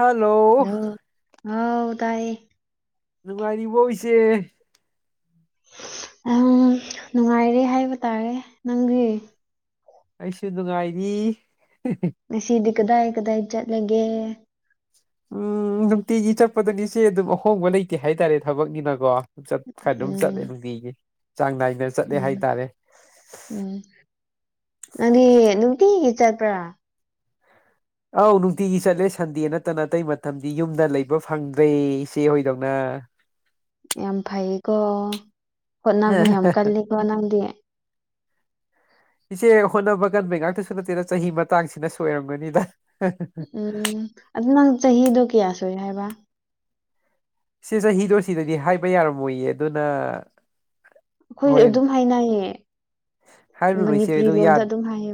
hello ꯍꯥꯎ ꯇꯥꯏꯌꯦ ꯅꯨꯡꯉꯥꯏꯔꯤꯕꯣ ꯏꯆꯦ ꯑꯝ ꯅꯨꯡꯉꯥꯏꯔꯤ ꯍꯥꯏꯕ ꯇꯥꯔꯦ ꯅꯪꯗꯤ ꯑꯩꯁꯨ ꯅꯨꯡꯉꯥꯏꯔꯤ ꯉꯁꯤꯗꯤ ꯀꯗꯥꯏ ꯀꯗꯥꯏ ꯆꯠꯂꯒꯦ ꯎꯝ ꯅꯨꯡꯇꯤꯒꯤ ꯆꯠꯄꯗꯨꯅꯤ ꯏꯆꯦ ꯑꯗꯨꯝ ꯑꯍꯣꯡꯕ ꯂꯩꯇꯦ ꯍꯥꯏꯇꯥꯔꯦ ꯊꯕꯛꯅꯤꯅꯀꯣ ꯆꯠ ꯈꯔ ꯑꯗꯨꯝ ꯆꯠꯂꯦ ꯎꯝ ꯅꯨꯡꯇꯤꯒꯤ ꯆꯥꯡ ꯅꯥꯏꯅ ꯆꯠꯂꯦ ꯎꯝ ꯍꯥꯏꯇꯥꯔꯦ ꯎꯝ ꯅꯪꯗꯤ ꯅꯨꯡꯇꯤꯒꯤ ꯆꯠꯄ꯭ꯔꯥ ꯑꯧ ꯅꯨꯡꯇꯤꯒꯤ ꯆꯠꯂꯦ ꯁꯟꯗꯦ ꯅꯠꯇꯅ ꯑꯇꯩ ꯃꯇꯝꯗꯤ ꯌꯨꯝꯗ ꯂꯩꯕ ꯐꯪꯗ꯭ꯔꯦ ꯏꯆꯦ ꯍꯣꯏꯗꯧꯅ [inaudible] ꯌꯥꯝ ꯐꯩꯌꯦꯀꯣ ꯍꯣꯠꯅꯕ ꯌꯥꯝ ꯀꯜꯂꯤꯀꯣ ꯅꯪꯗꯤ ꯏꯆꯦ ꯍꯣꯠꯅꯕ ꯀꯟꯕꯩ ꯉꯥꯛꯇꯁꯨ ꯅꯠꯇꯦꯅ ꯆꯍꯤ ꯃꯇꯥꯡꯁꯤꯅ ꯁꯨ ꯑꯣꯏꯔꯝꯒꯅꯤꯗ ꯎꯝ ꯑꯗꯨ ꯅꯪ ꯆꯍꯤꯗꯣ ꯀꯌꯥ ꯁꯨꯏ ꯍꯥꯏꯕ ꯏꯆꯦ ꯆꯍꯤꯗꯣ ꯁꯤꯗꯗꯤ ꯍꯥꯏꯕ ꯌꯥꯔꯝꯃꯣꯏꯌꯦ ꯑꯗꯨꯅ ꯑꯩꯈꯣꯏ ꯍꯣꯔꯦꯟ ꯑꯗꯨꯝ ꯍꯥꯏꯅꯌꯦ ꯍꯥꯏꯔꯨꯅꯨ ꯏꯆꯦ ꯃꯅꯤꯄꯨꯔꯤ ꯌꯥ ꯂꯣꯟꯗ ꯑꯗꯨꯝ ꯍꯥꯏꯌꯦ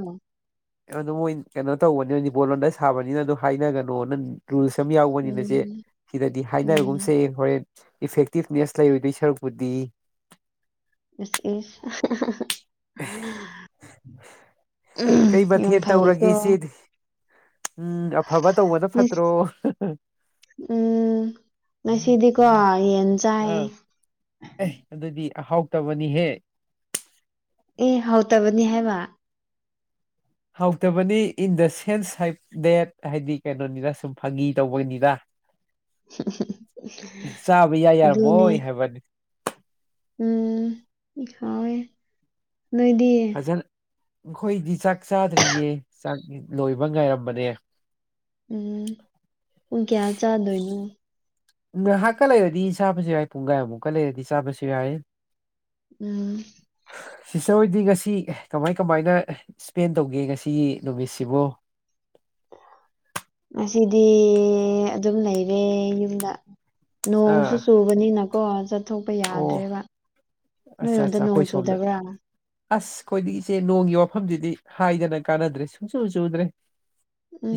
ꯑꯗꯨ ꯃꯣꯏ ꯀꯩꯅꯣ ꯇꯧꯕꯅꯤꯅ ꯅꯤꯕꯣꯟ ꯂꯣꯟꯗ ꯁꯥꯕꯅꯤꯅ ꯑꯗꯨ ꯍꯥꯏꯅꯒꯅꯣ ꯅ ꯔꯨꯜꯁ ꯑꯃ ꯌꯥꯎꯕꯅꯤꯅ ꯆꯦ ꯎꯝ ꯁꯤꯗꯗꯤ ꯍꯥꯏꯅꯔꯒꯨꯝ ꯎꯝ ꯁꯦ ꯍꯣꯔꯦꯟ ꯏꯐꯦꯛꯇꯤꯚꯅꯦꯁ ꯂꯩꯔꯗꯣꯏ ꯁꯔꯨꯛꯄꯨꯗꯤ ꯏꯁ ꯏꯁ ꯑꯍꯥ ꯑꯍꯥ ꯑꯍꯥ ꯀꯩ ꯃꯊꯦꯜ ꯇꯧꯔꯒꯦ ꯏꯆꯦꯗꯤ ꯎꯝ ꯑꯐꯕ ꯇꯧꯕꯗ ꯃꯤꯁ ꯐꯠꯇ꯭ꯔꯣ [unintelligible] ꯎꯝ ꯉꯁꯤꯗꯤꯀꯣ ꯌꯦꯟ ꯆꯥꯏꯌꯦ ꯑꯍꯥꯎꯇꯕꯅꯤꯍꯦ ꯑꯦ ꯍꯧꯇꯕꯅꯤ ꯍꯥꯏꯕ ꯍꯥꯎꯇꯕꯅꯤ ꯏꯟ ꯗ ꯁꯦꯟꯁ ꯍꯥꯏ ꯗꯦꯠ ꯍꯥꯏꯗꯤ ꯀꯩꯅꯣꯅꯤꯗ ꯁꯨꯝ ꯐꯥꯒꯤ ꯇꯧꯕꯅꯤꯗ ꯆꯥꯕ ꯏꯌꯥ ꯑꯗꯨꯅꯦ ꯌꯥꯔꯝꯃꯣꯏ ꯍꯥꯏꯕꯅꯤ ꯎꯝ ꯍꯥꯎꯋꯦ ꯅꯣꯏꯗꯤ ꯐꯖꯅ ꯑꯩꯈꯣꯏꯗꯤ ꯆꯥꯛ ꯆꯥꯗ꯭ꯔꯤꯌꯦ ꯆꯥꯛ ꯂꯣꯏꯕ ꯉꯥꯏꯔꯝꯕꯅꯦ ꯎꯝ ꯄꯨꯡ ꯀꯌꯥ ꯆꯥꯗꯣꯏꯅꯣ ꯅꯍꯥꯛꯀ ꯂꯩꯔꯗꯤ ꯆꯥꯕꯁꯨ ꯌꯥꯏ ꯄꯨꯡꯒꯥꯏꯃꯨꯛꯀ ꯂꯩꯔꯗꯤ ꯆꯥꯕꯖꯨ ꯌꯥꯏ ꯎꯝ ꯅꯣꯏꯗꯤ ꯉꯁꯤ ꯀꯃꯥꯏ ꯀꯃꯥꯏꯅ ꯁ꯭ꯄꯦꯟ ꯇꯧꯒꯦ ꯉꯁꯤꯒꯤ ꯅꯨꯃꯤꯠꯁꯤꯕꯨ ꯑꯁꯤꯗꯤ ꯑꯗꯨꯝ ꯂꯩꯔꯦ ꯌꯨꯝꯗ ꯅꯣꯡꯁꯨ ꯑꯥ ꯆꯨꯕꯅꯤꯅꯀꯣ ꯆꯠꯊꯣꯛꯄ ꯑꯣ ꯌꯥꯗ꯭ꯔꯦꯕ ꯑꯠꯆꯥ ꯅꯣꯏꯔꯣꯟꯗ ꯑꯠꯆꯥ ꯅꯣꯡ ꯑꯩꯈꯣꯏ ꯁꯣꯝꯗ ꯆꯨꯗꯕ꯭ꯔꯥ ꯑꯁ ꯑꯩꯈꯣꯏꯗꯤ ꯏꯆꯦ ꯅꯣꯡꯒꯤ ꯋꯥꯐꯝꯖꯤꯗꯤ ꯍꯥꯏꯗꯅ ꯀꯥꯟꯅꯗ꯭ꯔꯦ ꯁꯨꯡꯆꯨ ꯆꯨꯗ꯭ꯔꯦ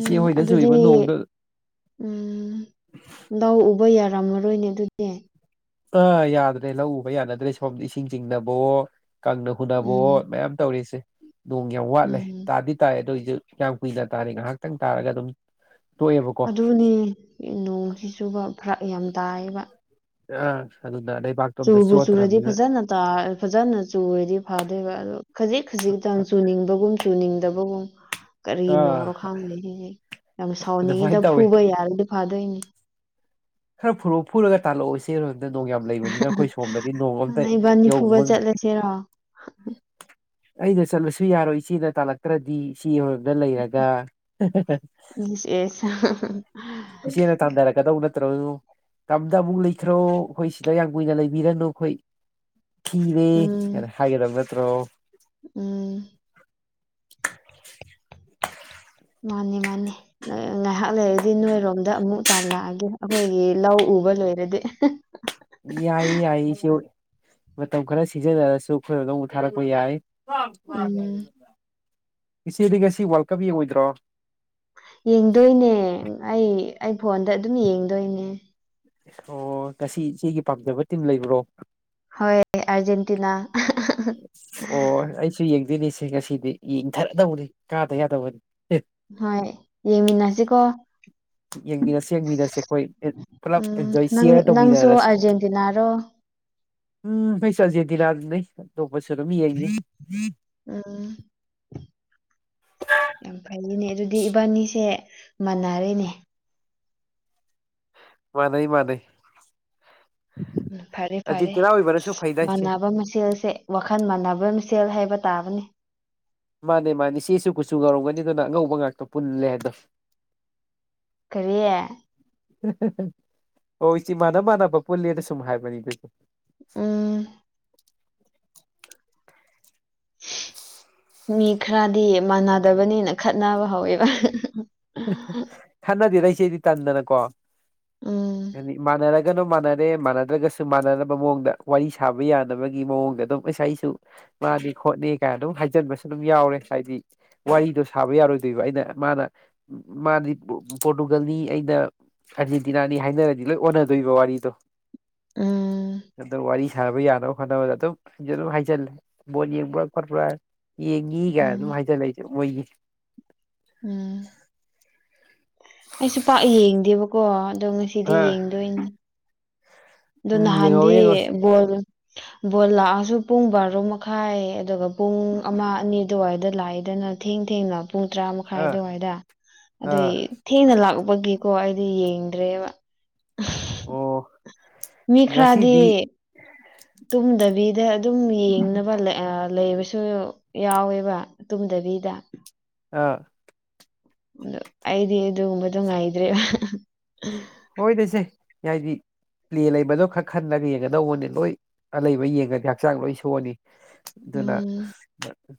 ꯏꯆꯦ ꯍꯣꯏꯗ ꯑꯗꯨꯗꯤ ꯆꯨꯔꯤꯕ ꯅꯣꯡꯗꯣ ꯎꯝ ꯂꯧ ꯎꯕ ꯌꯥ ꯥꯄꯥꯝꯃꯔꯣꯏꯅꯦ ꯑꯗꯨꯗꯤ ꯑꯥ ꯌꯥꯗ꯭ꯔꯦ ꯂꯧ ꯎꯕ ꯌꯥꯅꯗ꯭ꯔꯦ ꯁꯣꯝꯗ ꯏꯁꯤꯡ ꯆꯤꯡꯅꯕꯋꯣ ꯀꯪꯅ ꯍꯨꯟꯅꯕꯋꯣ ꯎꯝ ꯃꯌꯥꯝ ꯇꯧꯔꯤꯁꯦ ꯅꯣꯡ ꯌꯥꯝ ꯋꯥꯠꯂꯦ ꯎꯝ ꯇꯥꯗꯤ ꯇꯥꯏꯌꯦ ꯑꯗꯨꯏꯁꯨ ꯀꯌꯥꯝ ꯀꯨꯏꯅ ꯇꯥꯅꯤ ꯉꯥꯏꯍꯥꯛꯇꯪ ꯇꯥꯔꯒ ꯑꯗꯨꯝ ꯇꯣꯛꯑꯦꯕꯀꯣ ꯑꯗꯨꯅꯤ ꯅꯣꯡꯁꯤ ꯆꯨꯕ ꯐꯔꯛ ꯌꯥꯝ ꯇꯥꯏꯌꯦꯕ ꯑꯥ ꯁꯥꯟꯅ ꯆꯨꯕꯨ ꯆꯨꯔꯗꯤ ꯐꯖꯅ ꯇꯥ ꯐꯖꯅ ꯆꯨꯔꯗꯤ ꯐꯥꯗꯣꯏꯕ ꯑꯗꯣ ꯈꯖꯤꯛ ꯈꯖꯤꯛꯇꯪ ꯆꯨꯅꯤꯡꯕꯒꯨꯝ ꯆꯨꯅꯤꯡꯗꯕꯒꯨꯝ ꯑꯥ ꯀꯔꯤꯅꯣꯡꯔꯣ ꯈꯪꯗꯦꯍꯦ ꯌꯥꯝ ꯁꯥꯎꯅꯤꯡꯉꯤꯗ ꯑꯗꯨꯃꯥꯏꯅ ꯇꯧꯋꯤ ꯐꯨꯕ ꯌꯥꯔꯗꯤ ꯐꯗꯣꯏꯅꯤ ꯈꯔ ꯐꯨꯔꯛꯑꯣ ꯐꯨꯔꯒ ꯇꯥꯜꯂꯛꯑꯣ ꯏꯆꯦ ꯔꯣꯟꯅ ꯅꯣꯡ ꯌꯥꯝ ꯂꯩꯕꯅꯤꯅ ꯑꯩꯈꯣꯏ ꯁꯣꯝꯗꯗꯤ ꯅꯣꯡ ꯑꯝꯇ ꯏꯕꯥꯅꯤ ꯐꯨꯕ ꯌꯧꯕ ꯆꯠꯂꯁꯤꯔꯣ ꯑꯩꯅ ꯆꯠꯂꯁꯨ ꯌꯥꯔꯣꯏ ꯏꯆꯦꯅ ꯇꯥꯜꯂꯛꯇ꯭ꯔꯗꯤ ꯏꯆꯦꯍꯣꯏꯔꯣꯝꯗ ꯂꯩꯔꯒ ꯍꯦ ꯍꯦ ꯍꯦ ꯏꯁ ꯑꯦꯁ ꯏꯆꯦꯅ ꯇꯥꯟꯗꯔꯛꯀꯗꯧ ꯅꯠ [unintelligible] ꯇꯝꯗ ꯑꯃꯨꯛ ꯂꯩꯈ꯭ꯔꯣ ꯑꯩꯈꯣꯏ ꯁꯤꯗ ꯌꯥꯝ ꯀꯨꯏꯅ ꯂꯩꯕꯤꯔꯅꯨ ꯑꯩꯈꯣꯏ ꯈꯤꯔꯦ ꯎꯝ ꯍꯥꯏꯅ ꯍꯥꯏꯒꯗꯕ ꯅꯠꯇ꯭ꯔꯣ ꯎꯝ ꯃꯥꯅꯤ ꯃꯥꯅꯤ ꯉꯥꯏꯍꯥꯛ ꯂꯩꯔꯗꯤ ꯅꯣꯏꯔꯣꯝꯗ ꯑꯃꯨꯛ ꯇꯥꯜꯂꯛꯑꯒꯦ ꯑꯩꯈꯣꯏꯒꯤ ꯂꯧ ꯎꯕ ꯂꯣꯏꯔꯗꯤ ꯑꯦꯍꯦ ꯌꯥꯏꯌꯦ ꯌꯥꯏꯌꯦ ꯏꯆꯦꯍꯣꯏ ꯃꯇꯝ ꯈꯔ ꯁꯤꯖꯤꯟꯅꯔꯁꯨ ꯑꯩꯈꯣꯏꯗꯥꯔꯣꯝꯗ ꯑꯃꯨꯛ ꯊꯥꯔꯛꯄ ꯌꯥꯏ ꯎꯝ ꯏꯆꯦꯗꯤ ꯉꯁꯤ ꯋꯥꯔꯜ ꯀꯞ ꯌꯦꯡꯉꯣꯏꯗ꯭ꯔꯣ ꯌꯦꯡꯗꯣꯏꯅꯦ ꯑꯩ ꯑꯩ ꯐꯣꯟꯗ ꯑꯗꯨꯝ ꯌꯦꯡꯗꯣꯏꯅꯦ ꯑꯣ ꯉꯁꯤ ꯏꯆꯦꯒꯤ ꯄꯥꯝꯖꯕ ꯇꯤꯝ ꯂꯩꯕ꯭ꯔꯣ ꯍꯣꯏ ꯑꯥꯔꯖꯦꯟꯇꯤꯅꯥ ꯑꯣ ꯑꯩꯁꯨ ꯌꯦꯡꯗꯣꯏꯅꯦꯁꯦ ꯉꯁꯤꯗꯤ ꯌꯦꯡꯊꯔꯗꯕꯅꯤ ꯀꯥꯗ ꯌꯥꯗꯕꯅꯤ ꯍꯣꯏ ꯌꯦꯡꯃꯤꯟꯅꯁꯤꯀꯣ ꯌꯦꯡꯃꯤꯟꯅꯁꯦ ꯌꯦꯡꯃꯤꯟꯅꯁꯦ ꯑꯩꯈꯣꯏ ꯄꯨꯂꯞ ꯎꯝ ꯑꯦꯟꯖꯣꯏ ꯅꯪ ꯁꯤꯌꯥꯔ ꯅꯪꯁꯨ ꯇꯧꯃꯤꯟꯅꯔꯁꯦ ꯑꯥꯔꯖꯦꯟꯇꯤꯅꯥꯔꯣ [unintelligible] [unintelligible] ꯎꯝ ꯌꯥꯝ ꯐꯩꯌꯦꯅꯦ ꯑꯗꯨꯗꯤ ꯏꯕꯥꯅꯤꯁꯦ ꯃꯅꯔꯦꯅꯦ ꯃꯥꯅꯩ ꯃꯥꯅꯩ ꯎꯝ ꯐꯔꯦ ꯐꯔꯦ ꯐꯩꯗ ꯏꯆꯦ ꯃꯥꯟꯅꯕ ꯃꯁꯦꯜꯁꯦ ꯋꯥꯈꯜ ꯃꯥꯟꯅꯕ ꯃꯁ ꯁꯦꯜ ꯍꯥꯏꯕ ꯇꯥꯕꯅꯦ ꯃꯥꯅꯦ ꯃꯥꯅꯦ ꯏꯆꯦꯁꯨ ꯀꯨꯆꯨ ꯉꯧꯔꯝꯒꯅꯤ ꯑꯗꯨꯅ ꯑꯉꯧꯕ ꯉꯥꯛꯇꯣ ꯄꯨꯜꯂꯦ ꯍꯥꯏꯗꯣ ꯀꯔꯤꯌꯦ ꯍꯣ ꯏꯆꯦ ꯃꯥꯟꯅ ꯃꯥꯟꯅꯕ ꯄꯨꯜꯂꯦꯅ ꯁꯨꯝ ꯍꯥꯏꯕꯅꯤꯗ ꯆ ꯎꯝ ꯃꯤ ꯈꯔꯗꯤ ꯃꯥꯟꯅꯗꯕꯅꯤꯅ ꯈꯠꯅꯕ ꯍꯧꯋꯦꯕ ꯈꯠꯅꯗꯦꯗ ꯏꯆꯦꯗꯤ ꯇꯟꯗꯅꯀꯣ ꯎꯝ ꯍꯥꯏꯗꯤ ꯃꯥꯟꯅꯔꯛ ꯒꯅꯣ ꯃꯥꯟꯅꯔꯦ ꯃꯥꯟꯅꯗ꯭ꯔꯒꯁꯨ ꯃꯥꯟꯅꯅꯕ ꯃꯑꯣꯡꯗ ꯋꯥꯔꯤ ꯁꯥꯕ ꯌꯥꯅꯕꯒꯤ ꯃꯑꯣꯡꯗ ꯑꯗꯨꯝ ꯏꯁꯥꯏꯁꯨ ꯃꯥꯅꯤ ꯈꯣꯠꯅꯦ ꯀꯥꯏꯅ ꯑꯗꯨꯝ ꯍꯥꯏꯖꯟꯕꯁꯨ ꯑꯗꯨꯝ ꯌꯥꯎꯔꯦ ꯍꯥꯏꯗꯤ ꯋꯥꯔꯤꯗꯣ ꯁꯥꯕ ꯌꯥꯔꯣꯏꯗꯣꯏꯕ ꯑꯩꯅ ꯃꯥꯅ ꯃꯥꯗꯤ ꯄꯣ ꯄꯣꯔꯇꯨꯒꯜꯅꯤ ꯑꯩꯅ ꯑꯥꯔꯖꯦꯟꯇꯤꯅꯥꯅꯤ ꯍꯥꯏꯅꯔꯗꯤ ꯂꯣꯏ ꯑꯣꯟꯅꯗꯣꯏꯕ ꯋꯥꯔꯤꯗꯣ ꯎꯝ ꯑꯗꯣ ꯋꯥꯔꯤ ꯁ ꯁꯥꯕ ꯌꯥꯅꯕ ꯍꯣꯠꯅꯕꯗ ꯑꯗꯨꯝ ꯑꯩꯖꯨ ꯑꯗꯨꯝ ꯍꯥꯏꯖꯜꯂꯦ ꯕꯣꯜ ꯌꯦꯡꯕ꯭ꯔꯥ ꯈꯣꯠꯄ꯭ꯔꯥꯅ ꯌꯦꯡꯉꯤ ꯒꯥꯏ ꯑꯗꯨꯝ ꯎꯝ ꯍꯥꯏꯖꯜꯂꯦ ꯑꯗꯤ ꯃꯣꯏꯒꯤ ꯎꯝ ꯑꯩꯁꯨ ꯄꯥꯛ ꯌꯦꯡꯗꯦꯕꯀꯣ ꯑꯗꯣ ꯉꯁꯤꯗꯤ ꯌꯦꯡꯗꯣꯏꯅꯤ ꯑꯗꯨ ꯎꯝ ꯌꯦꯡꯍꯧꯔꯦ ꯅꯍꯥꯟꯗꯤ ꯌꯦꯡꯍꯧꯔꯦ ꯕꯣꯜꯒ ꯕꯣꯜ ꯂꯥꯛꯑꯁꯨ ꯄꯨꯡ ꯕꯥꯔꯣ ꯃꯈꯥꯏ ꯑꯗꯨꯒ ꯄꯨꯡ ꯑꯃ ꯑꯅꯤ ꯑꯗꯨꯋꯥꯏꯗ ꯂꯥꯛꯏꯗꯅ ꯊꯦꯡ ꯊꯦꯡꯅ ꯄꯨꯡ ꯇꯔꯥ ꯃꯈꯥꯏ ꯑꯥ ꯑꯗꯨꯋꯥꯏꯗ ꯑꯗꯨꯏ ꯑꯥ ꯊꯦꯡꯅ ꯂꯥꯛ ꯕꯒꯤꯀꯣ ꯑꯩꯗꯤ ꯌꯦꯡꯗ꯭ꯔꯦꯕ ꯑꯣ ꯃꯤ ꯈꯔꯗꯤ ꯉꯁꯤꯗꯤ ꯇꯨꯝꯗꯕꯤꯗ ꯑꯗꯨꯝ ꯌꯦꯡꯅꯕ ꯂꯦ ꯑꯥ ꯂꯩꯕꯁꯨ ꯌꯥꯎꯋꯦꯕ ꯇꯨꯝꯗꯕꯤꯗ ꯑꯥ ꯑꯩꯗꯤ ꯑꯗꯨꯒꯨꯝꯕꯗꯨ ꯉꯥꯏꯗ꯭ꯔꯦꯕ ꯍꯣꯏꯗꯆꯦ ꯌꯥꯏꯗꯤ ꯄ꯭ꯂꯦ ꯂꯩꯕꯗꯣ ꯈꯛ ꯈꯜꯂꯒ ꯌꯦꯡꯒꯗꯧꯕꯅꯦ ꯂꯣꯏ ꯂꯩꯕ ꯌꯦꯡꯉꯗꯤ ꯍꯛꯆꯥꯡ ꯂꯣꯏ ꯁꯣꯛꯑꯅꯤ ꯑꯗꯨꯅ ꯎꯝ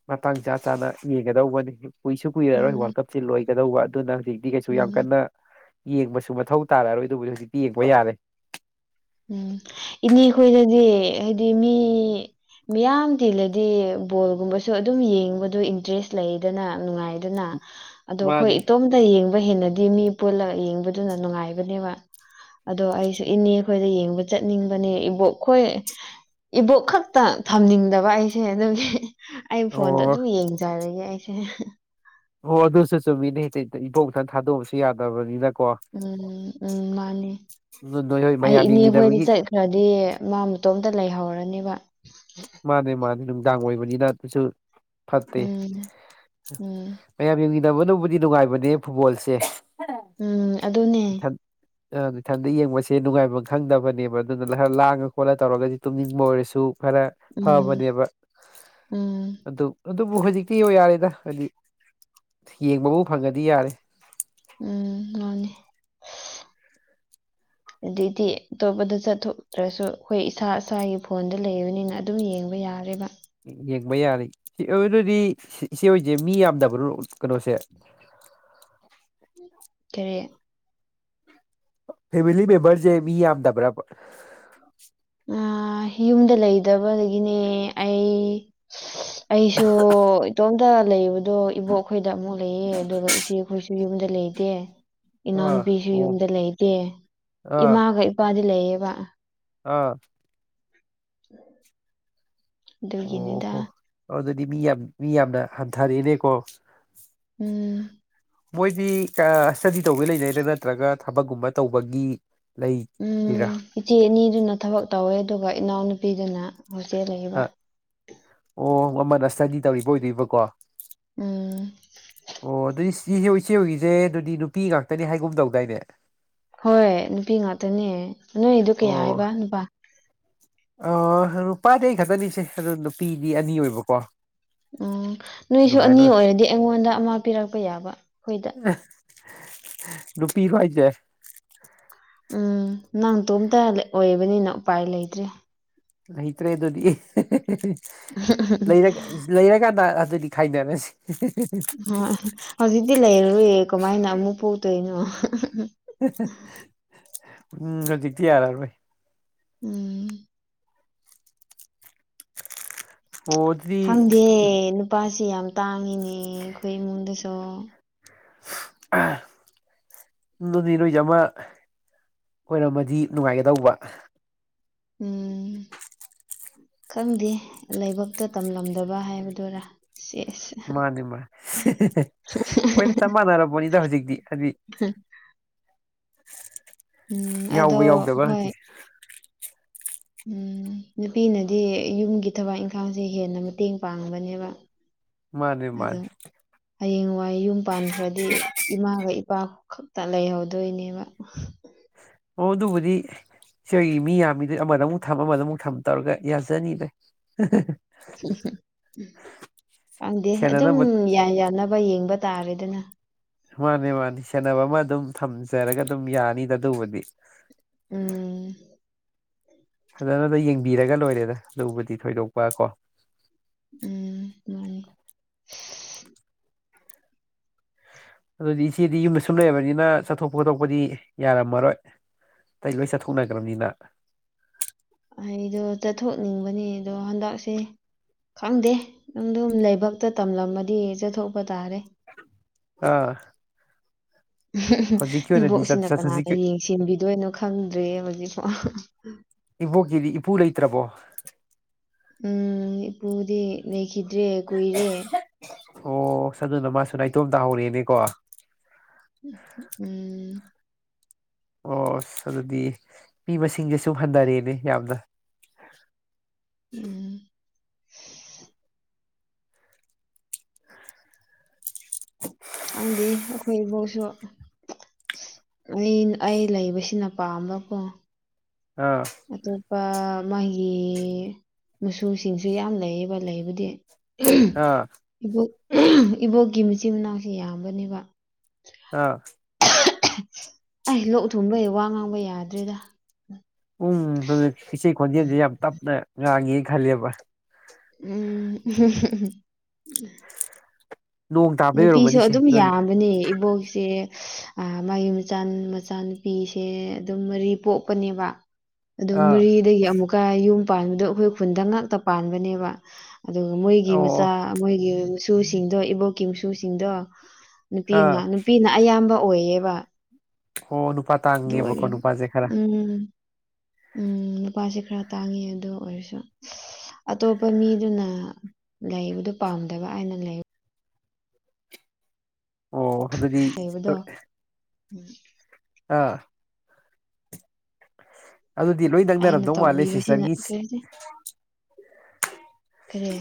ꯃꯇꯥꯡ ꯆꯥ ꯆꯥꯅ ꯌꯦꯡꯒꯗꯧꯕꯅꯤ ꯀꯨꯏꯁꯨ ꯀꯨꯏꯔꯔꯣꯏ ꯋꯥꯔꯜ ꯎꯝ ꯀꯞꯁꯦ ꯂꯣꯏꯒꯗꯧꯕ ꯑꯗꯨꯅ ꯍꯧꯖꯤꯛꯇꯤ ꯀꯩꯁꯨ ꯌꯥꯝ ꯎꯝ ꯀꯟꯅ ꯌꯦꯡꯕꯁꯨ ꯃꯊꯧ ꯇꯥꯔꯛꯑꯔꯣꯏꯗꯕꯨꯗꯤ ꯍꯧꯖꯤꯛꯇꯤ ꯌꯦꯛꯕ ꯌꯥꯔꯦ ꯎꯝ ꯏꯅꯦ ꯈꯣꯏꯗꯗꯤ ꯍꯥꯏꯗꯤ ꯃꯤ ꯃꯤꯌꯥꯝ ꯇꯤꯜꯂꯗꯤ ꯕꯣꯜꯒꯨꯝꯕꯁꯨ ꯑꯗꯨꯝ ꯌꯦꯡꯕꯗꯣ ꯏꯟꯇꯔꯦꯁ ꯂꯩꯗꯅ ꯅꯨꯡꯉꯥꯏ ꯗꯨꯅ ꯑꯗꯣ ꯑꯩꯈꯣꯏ ꯃꯥꯅꯤ ꯏꯇꯣꯝꯇ ꯌꯦꯡ ꯄ ꯍꯦꯟꯅꯗꯤ ꯃꯤ ꯄꯨꯂꯒ ꯌꯦꯡꯕꯗꯨꯅ ꯅꯨꯡꯉꯥꯏꯕꯅꯦꯕ ꯑꯗꯣ ꯑꯩꯁꯨ ꯏꯅꯦ ꯑꯩꯈꯣꯏꯗ ꯌꯦꯡꯕ ꯆꯠꯅꯤꯡꯕꯅꯦ ꯏꯕꯣꯛꯈꯣꯏ ꯏꯕꯣꯛ ꯈꯛꯇ ꯊꯝꯅꯤꯡꯗꯕ ꯑꯩꯁꯦ ꯑꯗꯨꯒꯤ ꯑꯩ ꯐꯣꯟꯗ ꯑꯣ ꯑꯗꯨꯝ ꯌꯦꯡꯖꯔꯒꯦ ꯑꯩꯁꯦ ꯑꯣ ꯑꯗꯨꯁꯨ ꯆꯨꯝꯃꯤꯅ ꯏꯆꯦꯗ ꯏꯕꯣꯛꯇꯪ ꯊꯥꯗꯣꯛꯑꯝꯕꯁꯨ ꯌꯥꯗꯕꯅꯤꯅ ꯎꯝ ꯎꯝ ꯃꯥꯅꯦ ꯅꯣꯏ ꯍꯣꯏ ꯑꯩ ꯃꯌꯥꯝ ꯏꯅꯦ ꯍꯣꯏꯗ ꯌꯦꯡꯃꯤꯟꯅꯕꯒꯤ ꯆꯠꯈ꯭ꯔꯗꯤ ꯃꯥ ꯃꯇꯣꯝꯇ ꯂꯩꯍꯧꯔꯅꯦꯕ ꯃꯥꯅꯦ ꯃꯥꯅꯦ ꯅꯨꯡꯗꯥꯡ ꯑꯣꯏꯕꯅꯤꯅ ꯑꯗꯨꯁꯨ ꯐꯠꯇꯦ ꯎꯝ ꯎꯝ ꯃꯌꯥꯝ ꯌꯦꯡꯃꯤꯟꯅꯕ ꯅꯕꯨꯗꯤ ꯅꯨꯡꯉꯥꯏꯕꯅꯦ ꯐꯨꯠꯕꯣꯜꯁꯦ ꯎꯝ ꯑꯗꯨꯅꯦ ꯑꯪ ꯏꯊꯟꯗ ꯌꯦꯡꯕꯁꯦ ꯅꯨꯡꯉꯥꯏꯕꯝ ꯈꯪꯗꯕꯅꯦꯕ ꯑꯗꯨꯅ ꯂ ꯂꯥꯡꯉ ꯈꯣꯠꯂ ꯇꯧꯔꯒꯗꯤ ꯇꯨꯝꯅꯤꯡꯕ ꯑꯣꯏꯔꯁꯨ ꯈꯔ ꯎꯝ ꯐꯕꯅꯦꯕ ꯎꯝ ꯑꯗꯨ ꯑꯗꯨꯕꯨ ꯍꯧꯖꯤꯛꯇꯤ ꯌꯥꯔꯦꯗ ꯍꯥꯏꯗꯤ ꯌꯦꯡꯕꯕꯨ ꯐꯪꯉꯗꯤ ꯌꯥꯔꯦ ꯎꯝ ꯃꯥꯅꯦ [inaudible] ꯑꯗꯩꯗꯤ ꯑꯇꯣꯞꯄꯗ ꯆꯠꯊꯣꯛꯇ꯭ꯔꯁꯨ ꯑꯩꯈꯣꯏ ꯏꯁꯥ ꯏꯁꯥꯒꯤ ꯐꯣꯟꯗ ꯂꯩꯕꯅꯤꯅ ꯑꯗꯨꯝ ꯌꯦꯡꯕ ꯌꯥ ꯌꯥꯔꯦꯕ ꯌꯦꯡꯕ ꯌꯥꯅꯤ ꯑꯗꯨꯗꯤ ꯏꯆꯦ ꯍꯣꯏꯁꯦ ꯃꯤ ꯌꯥꯝꯗꯕꯅꯣ ꯀꯩꯅꯣꯁꯦ [inaudible] ꯇꯔꯦꯠ ꯐꯦꯃꯤꯂꯤ ꯃꯦꯝꯕꯔꯁꯦ ꯃꯤ ꯌꯥꯝꯗꯕꯔ ꯑ ꯌꯨꯝꯗ ꯂꯩꯗꯕꯗꯒꯤꯅꯦ ꯑꯩ ꯑꯩꯁꯨ ꯏꯇꯣꯝꯇ ꯂꯩꯕꯗꯣ ꯏꯕꯣꯛꯈꯣꯏꯗ ꯑꯃꯨꯛ ꯂꯩꯌꯦ ꯑꯗꯨꯒ ꯏꯆꯦꯈꯣꯏꯁꯨ ꯌꯨꯝꯗ ꯂꯩꯇꯦ ꯑꯥ ꯏꯅꯥꯎꯅꯨꯄꯤꯁꯨ ꯑꯣ ꯌꯨꯝꯗ ꯂꯩꯗꯦ ꯑꯥ ꯏꯃꯥꯒ ꯏꯄꯥꯗꯤ ꯂꯩꯌꯦꯕ ꯑꯥ [inaudible] ꯑꯗꯨꯒꯤꯅꯤꯗ ꯗꯤꯕꯤ ꯌꯥꯝ ꯃꯤ ꯌꯥꯝꯅ ꯍꯟꯊꯔꯦꯅꯦꯀꯣ ꯎꯝ ꯃꯣꯏꯗꯤ ꯑꯥ ꯏ꯭ꯁꯇꯗꯤ ꯇꯧꯕꯩ ꯂꯩꯅꯩꯗ ꯅꯠꯇ꯭ꯔꯒ ꯊꯕꯛꯒꯨꯝꯕ ꯇꯧꯕꯒꯤ ꯂꯩꯔꯤꯔꯥ ꯎꯝ ꯏꯆꯦ ꯑꯅꯤꯗꯨꯅ ꯊꯕꯛ ꯇꯧꯋꯦ ꯑꯗꯨꯒ ꯏꯅꯥꯎꯅꯨꯄꯤꯗꯨꯅ ꯍꯣꯁꯇꯦꯜ ꯂꯩꯕ ꯑꯣ ꯑꯃꯅ ꯏ꯭ꯁꯇꯗꯤ ꯇꯧꯔꯤꯕ ꯑꯣꯏꯗꯣꯏꯕꯀꯣ ꯑꯣ ꯎꯝ ꯑꯗꯨꯏꯁ ꯏꯤꯒꯤ ꯏꯆꯦ ꯍꯣꯏꯒꯤꯁꯦ ꯑꯗꯨꯗꯤ ꯅꯨꯄꯤ ꯉꯥꯛꯇꯅꯤ ꯍꯥꯏꯒꯨꯝ ꯇꯧꯗꯥꯏꯅꯦ ꯍꯣꯏ ꯅꯨꯄꯤ ꯉꯥꯛꯇꯅꯦ ꯅꯣꯏꯗꯨ ꯀꯌꯥ ꯍꯥꯏꯕ ꯑꯣ ꯅꯨꯄꯥ ꯑ ꯅꯨꯄꯥꯗꯤ ꯑꯩ ꯈꯛꯇꯅꯤꯍꯦ ꯑꯗꯨ ꯅꯨꯄꯤꯗꯤ ꯑꯅꯤ ꯑꯣꯏꯕꯀꯣ ꯎꯝ ꯅꯣꯏꯁꯨ ꯑꯗꯨꯃꯥꯏꯅ ꯑꯅꯤ ꯑꯣꯏ ꯑꯣꯏꯔꯗꯤ ꯑꯩꯉꯣꯟꯗ ꯑꯃ ꯄꯤꯔꯛꯄ ꯌꯥꯕ ꯑꯈꯣꯏꯗ ꯅꯨꯄꯤꯔꯣ ꯍꯥꯏꯁꯦ ꯎꯝ ꯅꯪꯇꯣꯝꯇ ꯑꯣꯏꯕꯅꯤꯅ ꯎꯄꯥꯏ ꯂꯩꯇ꯭ꯔꯦ ꯂꯩꯇ꯭ꯔꯦ ꯑꯗꯨꯗꯤ ꯂꯩꯔ ꯂꯩꯔꯥꯀꯥꯟꯗ ꯗꯨꯗꯤ ꯈꯥꯏꯅꯔꯁꯤ ꯍꯧꯖꯤꯛꯇꯤ ꯂꯩꯔꯔꯣꯏꯌꯦ ꯀꯃꯥꯏꯅ ꯑꯃꯨꯛ ꯄꯣꯛꯇꯣꯏꯅꯣ ꯎꯝ ꯍꯧꯖꯤꯇꯤ ꯌꯥꯔꯔꯣꯏ ꯎꯝ ꯑꯣ ꯑꯗꯨꯗꯤ ꯈꯪꯗꯦ ꯅꯨꯄꯥꯁꯤ ꯌꯥꯝ ꯇꯥꯡꯉꯤꯅꯦ ꯑꯈꯣꯏ ꯏꯃꯨꯡꯗꯁꯨ ꯑ ꯗꯨꯗꯤ ꯅꯣꯖꯤ ꯑꯃ ꯑꯣꯏꯔꯝꯃꯗꯤ ꯅꯨꯡꯉꯥꯏꯒꯗꯧꯕ ꯎꯝ ꯈꯪꯗꯦ ꯂꯥꯏꯕꯛꯇ ꯇꯝꯂꯝꯗꯕ ꯍꯥꯏꯕꯗꯨꯔꯥ ꯁꯦꯁ ꯃꯥꯅꯦ ꯃꯥꯅꯦ ꯍꯣꯏꯅ ꯆꯞ ꯃꯥꯟꯅꯔꯕꯅꯤꯗ ꯍꯧꯖꯤꯛꯇꯤ ꯍꯥꯏꯗꯤ [unintelligible] [unintelligible] ꯎꯝ ꯌꯥꯎꯕ ꯑꯗꯣ ꯌꯥꯎꯗꯕ ꯍꯣꯏ ꯍꯖꯤ ꯎꯝ ꯅꯨꯄꯤꯅꯗꯤ ꯌꯨꯝꯒꯤ ꯊꯕꯛ ꯏꯪꯈꯥꯡꯁꯦ ꯍꯦꯟꯅ ꯃꯇꯦꯡ ꯄꯥꯡꯕꯅꯦꯕ ꯃꯥꯅꯦ ꯑꯗꯣ ꯃꯥꯅꯦ ꯍꯌꯦꯡꯋꯥꯏ ꯌꯨꯝ ꯄꯥꯟꯈ꯭ꯔꯗꯤ ꯏꯃꯥꯒ ꯏꯞ ꯄꯥ ꯈꯛꯇ ꯂꯩꯍꯧꯗꯣꯏꯅꯦꯕ ꯑꯣ ꯑꯗꯨꯕꯨꯗꯤ ꯁꯨꯏ ꯃꯤ ꯌꯥꯝꯃꯤꯗ ꯑꯃꯗ ꯑꯃꯨꯛ ꯊꯝ ꯑꯃꯗ ꯑꯃꯨꯛ ꯊꯝ ꯇꯧꯔꯒ ꯌꯥꯖꯅꯤꯗ ꯄꯪꯗꯦ ꯑꯗꯨꯝ ꯁꯦꯟꯅꯅꯕ ꯌꯥꯟ ꯌꯥꯅꯕ ꯌꯦꯡꯕ ꯇꯥꯔꯦꯗꯅ ꯃꯥꯅꯤ ꯃꯥꯅꯤ ꯁꯦꯟꯅꯕ ꯑꯃ ꯗꯨꯝ ꯊꯝꯖꯔꯒ ꯑꯗꯨꯝ ꯌꯥꯅꯤꯗ ꯑꯗꯨꯕꯨꯗꯤ ꯎꯝ ꯐꯖꯟꯅꯗ ꯌꯦꯡꯕꯤꯔꯒ ꯂꯣꯏꯔꯦꯗ ꯑꯗꯨꯕꯨꯗꯤ ꯊꯣꯏꯗꯣꯛꯄ ꯀꯣ ꯎꯝ ꯃꯥꯅꯤ ꯑꯗꯨꯗꯤ ꯏꯆꯦꯗꯤ ꯌꯨꯝꯗ ꯁꯨꯝ ꯂꯩꯔꯕꯅꯤꯅ ꯆꯠꯊꯣꯛꯄ ꯈꯣꯠꯇꯣꯛꯄꯗꯤ ꯌꯥꯔꯝꯃꯔꯣꯏ ꯇꯩ ꯂꯣꯏ ꯆꯠꯊꯣꯛꯅꯒ꯭ꯔꯝꯅꯤꯅ ꯑꯩꯗꯣ ꯆꯠꯊꯣꯛꯅꯤꯡꯕꯅꯤ ꯑꯗꯣ ꯍꯟꯗꯛꯁꯦ ꯈꯪꯗꯦ ꯅꯪꯗꯨꯝ ꯂꯩꯕꯛꯇ ꯇꯝꯂꯝꯃꯗꯤ ꯆꯠꯊꯣꯛꯄ ꯇꯥꯔꯦ ꯑꯥ ꯍꯧꯖꯤꯛꯀꯤ ꯑꯣꯏꯅꯗꯤ ꯆꯠ ꯏꯕꯣꯛꯁꯤꯅ ꯆꯠ ꯀꯅꯥꯗ ꯍꯧꯖꯤꯛꯀꯤ ꯌꯦꯡꯁꯤꯟꯕꯤꯗꯣꯏꯅꯣ ꯈꯪꯗ꯭ꯔꯦ ꯍꯧꯖꯤꯛꯐꯥꯎ ꯏꯕꯣꯛꯀꯤꯗꯤ ꯏꯄꯨ ꯂꯩꯇ꯭ꯔꯕꯣ ꯎꯝ ꯏꯄꯨꯗꯤ ꯂꯩꯈꯤꯗ꯭ꯔꯦ ꯀꯨꯏꯔꯦ ꯑꯣꯁ ꯑꯗꯨꯅ ꯃꯥꯁꯨ ꯅꯥꯏꯇꯣꯝ ꯇꯍꯧꯔꯦꯅꯦꯀꯣ ꯎꯝ ꯑꯣꯁ ꯑꯗꯨꯗꯤ ꯃꯤ ꯃꯁꯤꯡꯁꯦ ꯁꯨꯝ ꯍꯟꯗꯔꯦꯅꯦ ꯌꯥꯝꯅ [inaudible] ꯎꯝ [inaudible] ꯈꯪꯗꯦ ꯑꯩꯈꯣꯏ ꯏꯕꯣꯛꯁꯣ ꯑꯩ ꯑꯩ ꯂꯩꯕꯁꯤꯅ ꯄꯥꯝꯕꯀꯣ ꯑꯥ ꯑꯇꯣꯄ ꯃꯥꯍ ꯒꯤ ꯃꯨꯆꯨꯁꯤꯡꯁꯨ ꯌꯥꯝ ꯂꯩꯌꯦꯕ ꯂꯩꯕꯗꯤ ꯑꯥ ꯏꯕꯣꯛ ꯏꯕꯣꯛꯀꯤ ꯃꯆꯤꯟ ꯃꯅꯥꯎꯁꯤ ꯌꯥꯝꯕꯅꯦꯕ ꯍꯥ ꯑꯩ ꯂꯣꯛ ꯊꯨꯝꯕꯩ ꯋꯥ ꯉꯥꯡꯕ ꯌꯥꯗ꯭ꯔꯦꯗ ꯎꯝ ꯍꯦꯖꯤ ꯏꯆꯦ ꯈꯣꯟꯖꯦꯜꯁꯤ ꯌꯥꯝ ꯇꯞꯅ ꯉꯥꯡꯉꯦ ꯈꯜꯂꯦꯕ ꯎꯝ ꯅꯣꯡ ꯇꯥꯕꯩ ꯅꯨꯄꯤꯁꯨ ꯑꯣꯏꯔꯝꯃꯅꯤꯁꯦ ꯑꯗꯨꯝ ꯅꯣꯏ ꯌꯥꯝꯕꯅꯦ ꯏꯕꯣꯛꯁꯦ ꯑꯥ ꯃꯥꯒꯤ ꯃꯆꯥꯟ ꯃꯆꯥꯅꯨꯄꯤꯁꯦ ꯑꯗꯨꯝ ꯃꯔꯤ ꯄꯣꯛꯄꯅꯦꯕ ꯑꯗꯨ ꯑꯥ ꯃꯔꯤꯗꯒꯤ ꯑꯃꯨꯛꯀ ꯌꯨꯝ ꯄꯥꯟꯕꯗꯣ ꯑꯩꯈꯣꯏ ꯈꯨꯟꯗ ꯉꯥꯛꯇ ꯄꯥꯟꯕꯅꯦꯕ ꯑꯗꯨꯒ ꯃꯣꯏꯒꯤ ꯃꯆꯥ ꯑꯣ ꯃꯣꯏꯒꯤ ꯃꯁꯨꯁꯤꯡꯗꯣ ꯏꯕꯣꯛꯀꯤ ꯃꯁꯨꯁꯤꯡꯗꯣ ꯅꯨꯄꯤꯅ ꯑꯥ ꯅꯨꯄꯤꯅ ꯑꯌꯥꯝꯕ ꯑꯣꯏꯌꯦꯕ ꯑꯣ ꯅꯨꯄꯥ ꯑꯗꯨ ꯇꯥꯡꯉꯦꯕꯀꯣ ꯑꯣꯏꯔ ꯅꯨꯄꯥꯁꯦ ꯈꯔ ꯎꯝ ꯎꯝ ꯅꯨꯄꯥꯁꯤ ꯈꯔ ꯇꯥꯡꯉꯤ ꯑꯗꯨ ꯑꯣꯏꯔꯁꯨ ꯑꯇꯣꯞꯄ ꯃꯤꯗꯨꯅ ꯂꯩꯕꯗꯨ ꯄꯥꯝꯗꯕ ꯑꯥꯏꯅ ꯂꯩ ꯑꯣ ꯑꯗꯨꯗꯤ ꯂꯩꯕꯗꯣ ꯎꯝ ꯍꯥ ꯑꯗꯨꯗꯤ ꯂꯣꯏ ꯑꯩꯅ ꯅꯪꯅꯔꯝꯗꯧ ꯃꯥꯜꯂꯦ ꯇꯧꯕꯤꯕꯁꯤꯅ ꯁꯤꯁꯇꯔꯒꯤ ꯆꯤ ꯀꯔꯤꯁꯦ ꯀꯔꯤ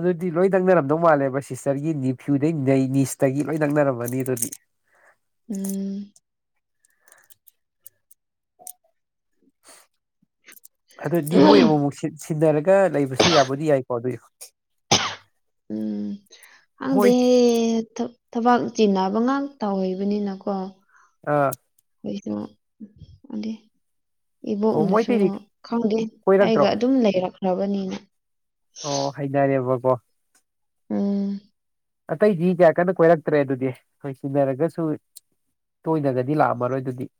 ꯑꯗꯨꯗꯤ ꯂꯣꯏ ꯅꯛꯅꯔꯝꯗꯧ ꯃꯥꯜꯂꯦꯕ ꯁꯤꯁꯇꯔꯒꯤ ꯅꯤꯐ꯭ꯌꯨꯗꯩ ꯅꯩꯅꯤꯁꯇꯒꯤ ꯂꯣꯏ ꯅꯛꯅꯔꯝꯃꯅꯤ ꯑꯗꯨꯗꯤ ꯎꯝ ꯑꯗꯨꯗꯤ ꯃꯣꯏ ꯑꯃꯨꯃꯨꯛ ꯁꯤꯠ ꯁꯤꯟꯅꯔꯒ ꯂꯩꯕꯁꯨ ꯌꯥꯕꯨꯗꯤ ꯌꯥꯏꯀꯣ ꯑꯗꯨꯏ ꯎꯝ ꯃꯣꯏ ꯈꯪꯗꯦ ꯊꯧ ꯊꯕꯛ ꯆꯤꯟꯅꯕ ꯉꯥꯛꯇꯥ ꯑꯣꯏꯕꯅꯤꯅꯀꯣ ꯑꯥ [unintelligible] ꯑꯣ ꯏꯕꯣꯛꯅꯁꯨ ꯃꯣꯏꯇꯩꯗꯤ ꯈꯪꯗꯦ ꯑꯩꯒ ꯀꯣꯏꯔꯛꯇ꯭ꯔꯣ ꯑꯗꯨꯝ ꯂꯩꯔꯛꯈ꯭ꯔꯕꯅꯤꯅ ꯑꯣ ꯍꯩꯅꯥꯔꯦꯕꯀꯣ ꯎꯝ ꯑꯇꯩꯗꯤ ꯀꯌꯥ ꯀꯟꯅ ꯀꯣꯏꯔꯛꯇ꯭ꯔꯦ ꯑꯗꯨꯗꯤ ꯍꯣꯏ ꯆꯤꯟꯅꯔꯒꯁꯨ ꯇꯣꯏꯅꯒꯗꯤ ꯂꯥꯛꯑꯝꯃꯔꯣꯏ ꯑꯗꯨꯗꯤ